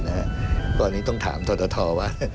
กรณีนี้ต้องถามทัวร์ว่า